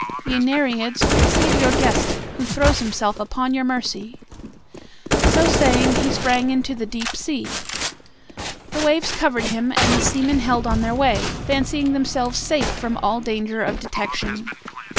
Ye Nereids, receive your guest, who throws himself upon your mercy!" So saying, he sprang into the deep sea. The waves covered him, and the seamen held on their way, fancying themselves safe from all danger of detection.